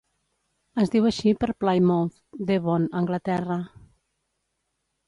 Es diu així per Plymouth, Devon, Anglaterra.